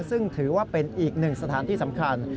ซึ่งถือว่าเป็นอีกหนึ่งสถานที่สำคัญ